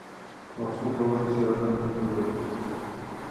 ماشوم کولی سي ازاد فکر وکړي.